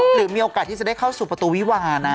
หรือมีโอกาสที่จะได้เข้าสู่ประตูวิวานะ